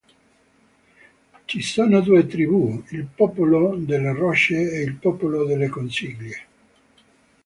Ci sono due tribù: il Popolo delle Rocce e il Popolo delle Conchiglie.